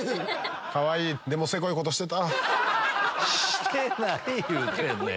してない言うてんねん！